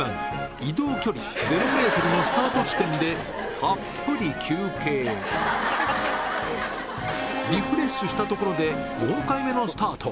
移動距離０ｍのスタート地点でたっぷり休憩リフレッシュしたところで４回目のスタート